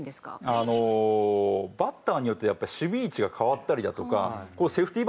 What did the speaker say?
あのバッターによってやっぱり守備位置が変わったりだとかセーフティー